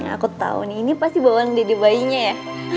aku tau ini pasti bawaan dede bayinya ya